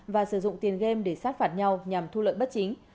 và sử dụng tiền game để sát phạt nhau nhằm thu lợi bất chính